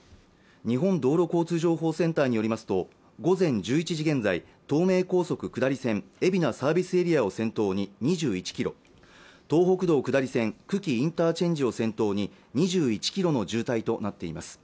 日本道路交通情報センターによりますと午前１１時現在東名高速下り線海老名サービスエリアを先頭に２１キロ東北道下り線久喜インターチェンジを先頭に２１キロの渋滞となっています